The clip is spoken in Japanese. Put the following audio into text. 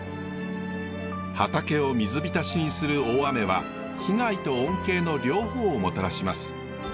畑を水浸しにする大雨は被害と恩恵の両方をもたらします。